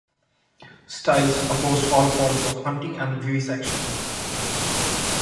Styles opposed all forms of hunting and vivisection.